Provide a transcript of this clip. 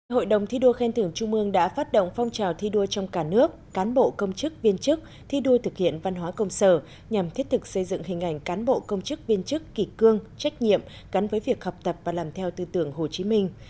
hội đồng thi đua khen thưởng trung mương đã phát động phong trào thi đua trong cả nước cán bộ công chức viên chức thi đua thực hiện văn hóa công sở nhằm thiết thực xây dựng hình ảnh cán bộ công chức viên chức kỳ cương trách nhiệm gắn với việc học tập và làm theo tư tưởng hồ chí minh